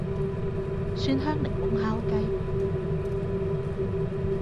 蒜香檸檬烤雞